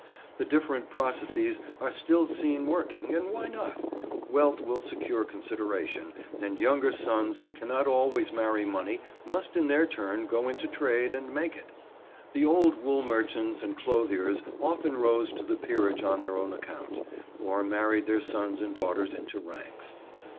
The different processes are still seen working; and why not? Wealth will secure consideration, and younger sons who cannot always marry money must in their turn go into trade and make it. [Picture: Grevel's House] The old wool merchants and clothiers often rose to the peerage on their own account, or married their sons and daughters into its ranks.